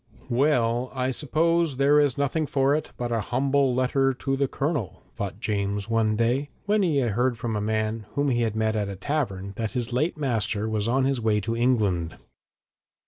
'Well, I suppose there is nothing for it but a humble letter to the Colonel,' thought James one day, when he heard from a man whom he met at a tavern that his late master was on his way to England.